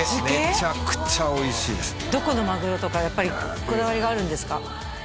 めちゃくちゃおいしいですどこのマグロとかやっぱりこだわりがあるんですか？